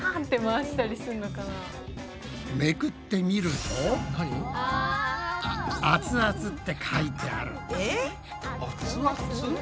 めくってみると「アツアツ」って書いてある。